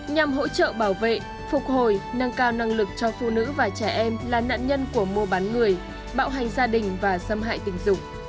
nhằm hỗ trợ bảo vệ phục hồi nâng cao năng lực cho phụ nữ và trẻ em là nạn nhân của mua bán người bạo hành gia đình và xâm hại tình dục